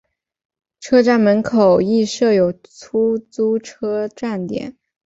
车站门口亦设有出租车站点。